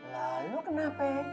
lalu kenapa ya